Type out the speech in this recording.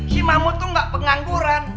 si mahmud tuh nggak pengangguran